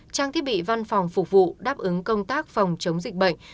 trang thiết bị văn phòng phục vụ đáp ứng công tác phòng chống dịch bệnh